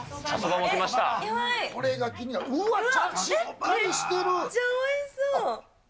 めっちゃおいしそう。